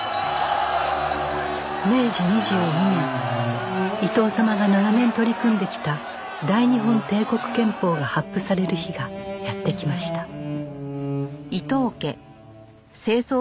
明治２２年伊藤様が長年取り組んできた大日本帝国憲法が発布される日がやってきました